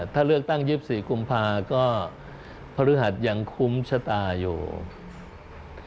ถ้าเลือกตั้ง๒๔กุมภาก็พฤหัสยังคุ้มชะตาอยู่